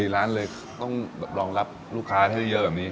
ร้านเลยต้องรองรับลูกค้าให้เยอะแบบนี้